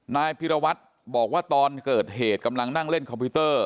นายพิรวัตรบอกว่าตอนเกิดเหตุกำลังนั่งเล่นคอมพิวเตอร์